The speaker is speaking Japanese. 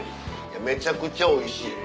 めちゃくちゃおいしい。